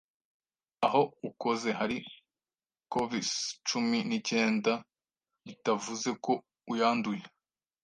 aho ukoze hari covis-cumi nicyenda bitavuze ko uyanduye.